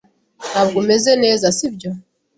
Ntabwo umeze neza, si byo?